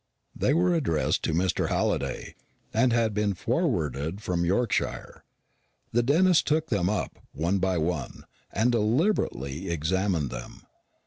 They were addressed to Mr. Halliday, and had been forwarded from Yorkshire. The dentist took them up, one by one, and deliberately examined them.